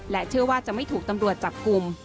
เชื่อว่าจะไม่ถูกตำรวจจับกลุ่ม